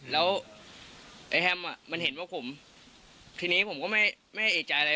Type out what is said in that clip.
แล้วแฮมมันเห็นว่าผมทีนี้ผมคงไม่เอิ่มใจอะไร